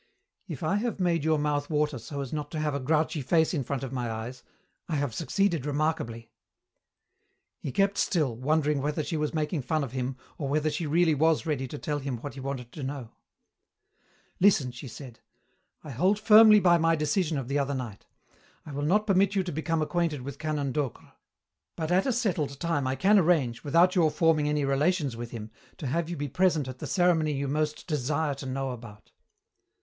"If I have made your mouth water so as not to have a grouchy face in front of my eyes, I have succeeded remarkably." He kept still, wondering whether she was making fun of him or whether she really was ready to tell him what he wanted to know. "Listen," she said. "I hold firmly by my decision of the other night. I will not permit you to become acquainted with Canon Docre. But at a settled time I can arrange, without your forming any relations with him, to have you be present at the ceremony you most desire to know about."